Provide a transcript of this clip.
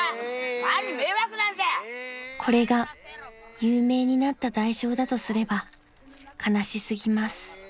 ［これが有名になった代償だとすれば悲しすぎます］